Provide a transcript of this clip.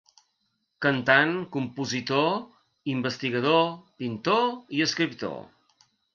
Cantant, compositor, investigador, pintor i escriptor.